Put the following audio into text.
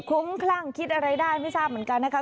คุ้มคลั่งคิดอะไรได้ไม่ทราบเหมือนกันนะคะ